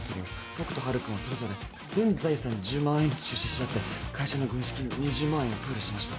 僕とハル君はそれぞれ全財産１０万円ずつ出資し合って会社の軍資金２０万円をプールしました